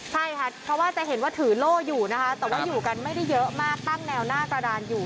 ใช่ค่ะเพราะว่าจะเห็นว่าถือโล่อยู่นะคะแต่ว่าอยู่กันไม่ได้เยอะมากตั้งแนวหน้ากระดานอยู่